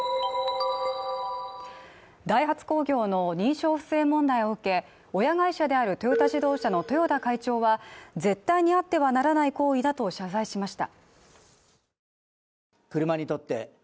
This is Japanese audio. ダイハツ工業の認証不正問題を受け、親会社であるトヨタ自動車の豊田会長は絶対にあってはならない行為だと謝罪しました。